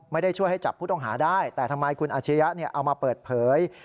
ช่วยให้จับผู้ต้องหาได้แต่ทำไมคุณอาชียะเอามาเปิดเผย